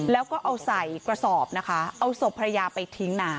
แล้วก็เอาใส่กระสอบนะคะเอาศพภรรยาไปทิ้งน้ำ